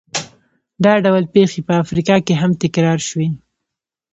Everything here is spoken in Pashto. دا ډول پېښې په افریقا کې هم تکرار شوې.